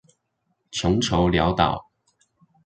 窮愁潦倒